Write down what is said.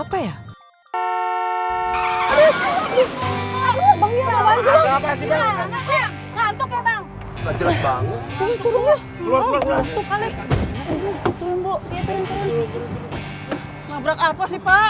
mau kemana lu